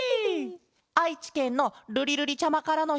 あいちけんのるりるりちゃまからのしつもんだケロ。